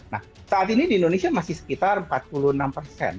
nah saat ini di indonesia masih sekitar empat puluh enam persen